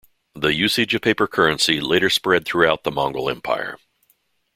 The usage of paper currency later spread throughout the Mongol Empire.